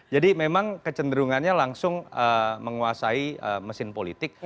jadi memang kecenderungannya langsung menguasai mesin politik